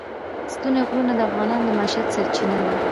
ستوني غرونه د افغانانو د معیشت سرچینه ده.